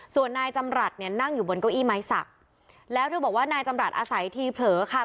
ส่วนนายจำรัฐเนี่ยนั่งอยู่บนเก้าอี้ไม้สักแล้วเธอบอกว่านายจำรัฐอาศัยทีเผลอค่ะ